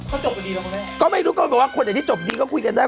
ก็จบกันดีแล้วคุณแม่ก็ไม่รู้ก็บอกว่าคนไหนที่จบดีก็คุยกันได้